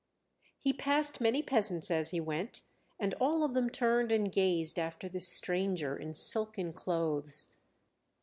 He passed many peasants as he went, and all of them turned and gazed after this stranger in silken clothes.